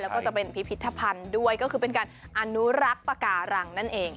แล้วก็จะเป็นพิพิธภัณฑ์ด้วยก็คือเป็นการอนุรักษ์ปาการังนั่นเอง